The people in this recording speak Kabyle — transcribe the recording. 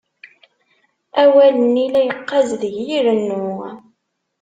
Awal-nni, la yeqqaz deg-i irennu.